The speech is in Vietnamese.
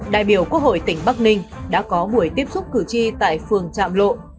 đại biểu quốc hội tỉnh bắc ninh đã có buổi tiếp xúc cử tri tại phường trạm lộ